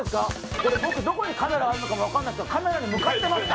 これ僕どこにカメラあんのかも分かんないですけどカメラに向かってますか？